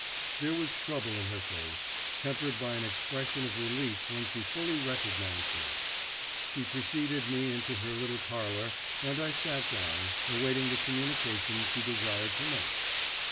There was trouble in her face, tempered by an expression of relief when she fully recognised me. She preceded me into her little parlour, and I sat down, awaiting the communication she desired to make.